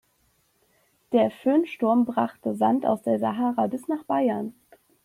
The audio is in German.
Der Föhnsturm brachte Sand aus der Sahara bis nach Bayern.